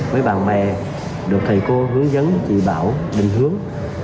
với bạn bè được thầy cô hướng dẫn chỉ bảo định hướng